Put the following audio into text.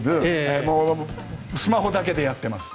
もうスマホだけでやってます。